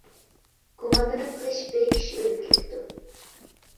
گۇمانلىنىپ قېلىش بىر كىشى ئۆلۈپ كېتىپتۇ.